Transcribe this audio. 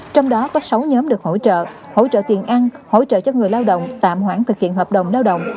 trong đó có sáu nhóm được hỗ trợ hỗ trợ tiền ăn hỗ trợ cho người lao động tạm hoãn thực hiện hợp đồng lao động